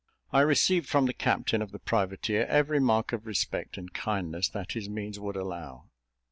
I received from the captain of the privateer every mark of respect and kindness that his means would allow.